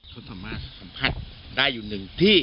เขาสามารถสัมผัสได้อยู่หนึ่งที่